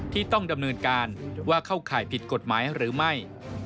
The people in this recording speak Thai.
ที่ต้องดำเนินการว่าเข้าข่ายผิดกฎหมายหรือไม่